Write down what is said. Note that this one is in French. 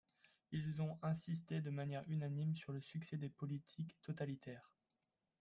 Ils ont insisté de manière unanime sur le succès des politiques totalitaires.